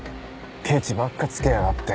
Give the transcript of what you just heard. ケチばっかつけやがって。